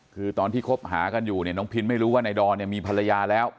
คือตอนที่คบหากันอยู่เนี่ยน้องพินไม่รู้ว่านายดอนเนี่ยมีภรรยาแล้ว